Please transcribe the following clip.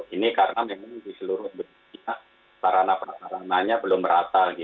ini karena memang di seluruh dunia parana parananya belum rata